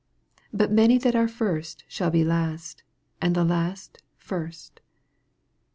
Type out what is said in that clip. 31 But many that are first shall be lost ; and the last first.